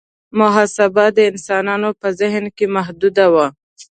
محاسبه د انسانانو په ذهن کې محدوده وه.